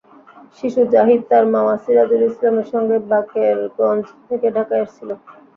শিশু জাহিদ তাঁর মামা সিরাজুল ইসলামের সঙ্গে বাকেরগঞ্জ থেকে ঢাকায় আসছিল।